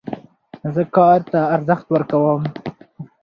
زه کار ته ارزښت ورکوم.